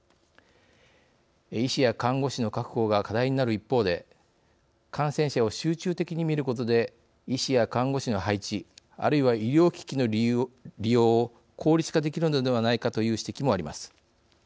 医師や看護師の確保が課題になる一方で感染者を集中的に診ることで医師や看護師の配置あるいは医療機器の利用を効率化できるのではないかという指摘もあります。